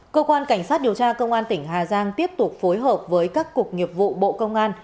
cơ quan cảnh sát điều tra công an tỉnh hà giang tiếp tục phối hợp với các cục nghiệp vụ bộ công an